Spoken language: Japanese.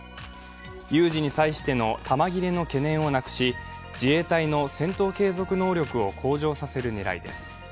有事に際しての弾切れの懸念をなくし、自衛隊の戦闘継続能力を向上させる狙いです。